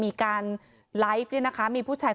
มีเรื่องอะไรมาคุยกันรับได้ทุกอย่าง